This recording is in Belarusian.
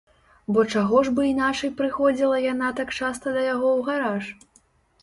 Бо чаго ж бы іначай прыходзіла яна так часта да яго ў гараж?